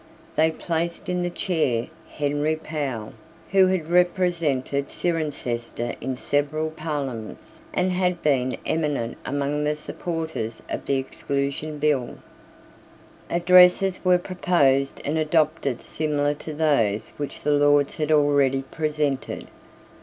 They placed in the chair Henry Powle, who had represented Cirencester in several Parliaments, and had been eminent among the supporters of the Exclusion Bill. Addresses were proposed and adopted similar to those which the Lords had already presented.